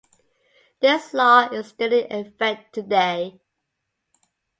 This law is still in effect today.